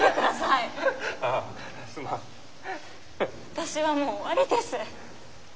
私はもう終わりです。